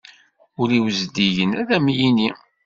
Ul-iw zeddigen ad am-yinni.